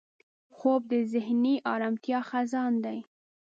خوب د ذهني ارامتیا خزان دی